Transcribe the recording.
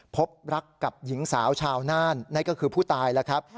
พบรักกับหญิงสาวชาวน่านนั่นก็คือผู้ตายแล้วครับ